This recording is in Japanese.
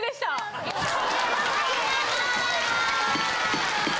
・ありがと！